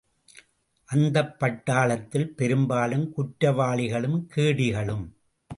அந்தப்பட்டாளத்தில் பெரும்பாலும் குற்றவாளிகளும், கேடிகளும்.